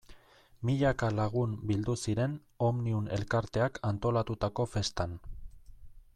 Milaka lagun bildu ziren Omnium elkarteak antolatutako festan.